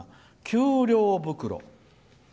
給料袋。